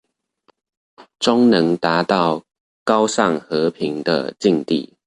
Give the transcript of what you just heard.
終能達到高尚和平的境地